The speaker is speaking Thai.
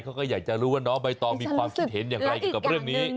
เขาก็อยากจะรู้ว่าน้องใบตองมีความคิดเห็นอย่างไรเกี่ยวกับเรื่องนี้